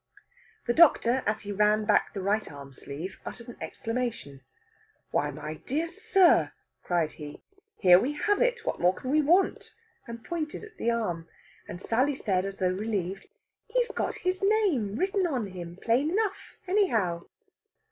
The doctor, as he ran back the right arm sleeve, uttered an exclamation. "Why, my dear sir," cried he, "here we have it! What more can we want?" and pointed at the arm. And Sally said, as though relieved: "He's got his name written on him plain enough, anyhow!"